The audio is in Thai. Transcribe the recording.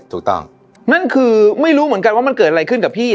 ถูกต้องนั่นคือไม่รู้เหมือนกันว่ามันเกิดอะไรขึ้นกับพี่